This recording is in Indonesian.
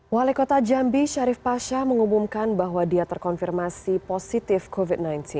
wali kota jambi syarif pasha mengumumkan bahwa dia terkonfirmasi positif covid sembilan belas